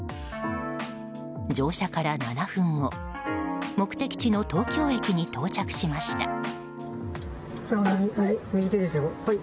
乗車から７分後目的地の東京駅に到着しました。